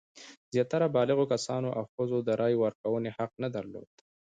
زیاتره بالغو کسانو او ښځو د رایې ورکونې حق نه درلود.